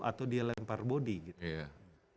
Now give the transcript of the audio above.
atau dia lempar bodi gitu ya